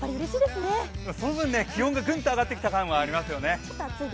その分、気温がぐんと上がってきた感じがありましたよね。